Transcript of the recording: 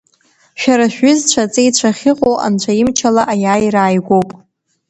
Шәара шәҩызцәа аҵеицәа ахьыҟоу Анцәа имчала аиааира ааигәоуп.